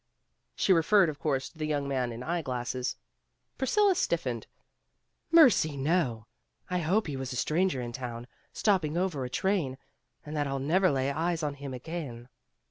She referred, of course, to the young man in eye glasses. Priscilla stiffened. "Mercy, no! I hope he was a stranger in town, stopping over a train, and that I '11 never lay eyes on him again.